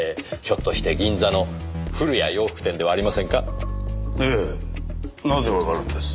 ひょっとして銀座の古谷洋服店ではありませんか？ええ。なぜわかるんです？